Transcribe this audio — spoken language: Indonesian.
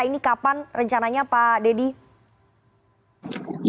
ini kapan rencananya pak dedy